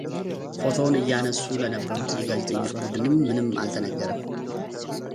ፎቶውን እያነሱ ለነበሩት የጋዜጠኞች ቡድን ምንም አልተናገረም።